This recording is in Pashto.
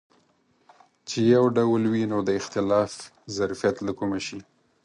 چې یو ډول وي نو د اختلاف ظرفیت له کومه شي.